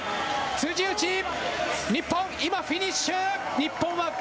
辻内、日本、今、フィニッシュ。